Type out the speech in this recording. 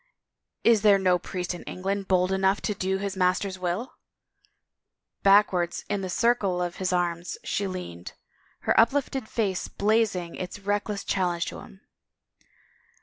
Is there no priest in England bold enough to do his master's will ?" Backwards in the circle of his arms she leaned, her uplifted face blazing its reckless challenge into his.